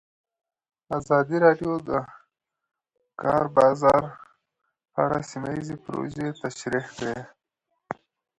ازادي راډیو د د کار بازار په اړه سیمه ییزې پروژې تشریح کړې.